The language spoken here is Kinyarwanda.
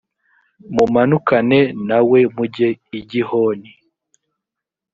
mumanukane na we mujye i gihoni